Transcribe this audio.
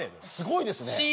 すごいですね。